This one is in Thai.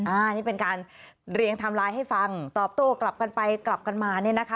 อันนี้เป็นการเรียงไทม์ไลน์ให้ฟังตอบโต้กลับกันไปกลับกันมาเนี่ยนะคะ